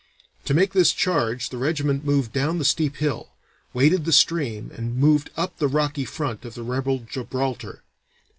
To make this charge the regiment moved down the steep hill, waded the stream, and moved up the rocky front of the rebel Gibraltar.